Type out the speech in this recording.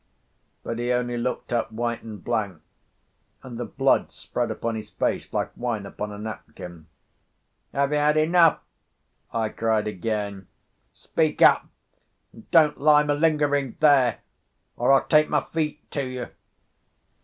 But he only looked up white and blank, and the blood spread upon his face like wine upon a napkin. "Have you had enough?" I cried again. "Speak up, and don't lie malingering there, or I'll take my feet to you."